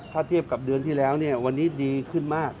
ถ้าเทียบกับเดือนที่แล้วเนี่ยวันนี้ดีขึ้นมาก